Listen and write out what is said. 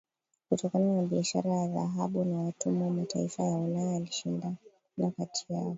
Kutokana na biashara ya dhahabu na watumwa mataifa ya Ulaya yalishindana kati yao